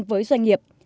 với doanh nghiệp